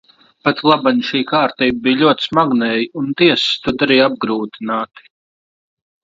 Patlaban šī kārtība bija ļoti smagnēja un tiesas to darīja apgrūtināti.